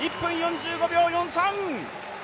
１分４５秒４３。